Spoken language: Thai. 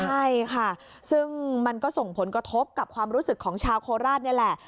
ใช่ค่ะซึ่งมันก็ส่งผลกระทบกับความรู้สึกของชาวโคราชนี่แหละ